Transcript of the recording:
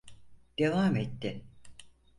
Devam etti.